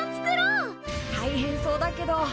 大変そうだけど。